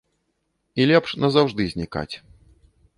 І лепш назаўжды знікаць.